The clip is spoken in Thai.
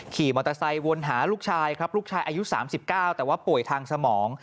ขี่มอเตอร์ไซค์วนหาลูกชายครับลูกชายอายุ๓๙แต่ว่าป่วยทางสมอง